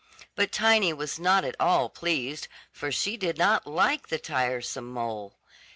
But Tiny was not at all pleased; for she did not like the tiresome mole.